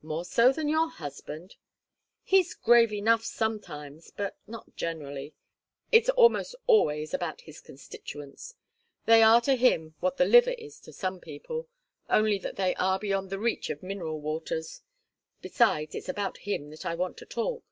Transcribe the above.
"More so than your husband?" "He's grave enough sometimes, but not generally. It's almost always about his constituents. They are to him what the liver is to some people only that they are beyond the reach of mineral waters. Besides it's about him that I want to talk.